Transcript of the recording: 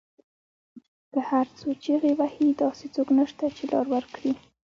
که هر څو چیغې وهي داسې څوک نشته، چې لار ورکړی